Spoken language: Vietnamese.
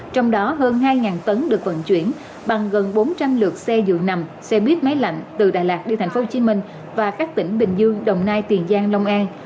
trong đó hơn hai tấn được vận chuyển bằng gần bốn trăm linh lượt xe dự nằm xe buýt máy lạnh từ đà lạt đến thành phố hồ chí minh và các tỉnh bình dương đồng nai tiền giang long an